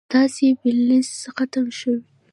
ستاسي بلينس ختم شوي